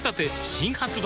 新発売